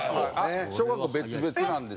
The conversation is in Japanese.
小学校別々なんです。